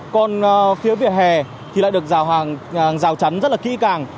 còn phía vỉa hè thì lại được rào trắn rất là kỹ càng